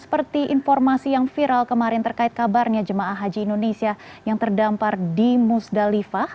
seperti informasi yang viral kemarin terkait kabarnya jemaah haji indonesia yang terdampar di musdalifah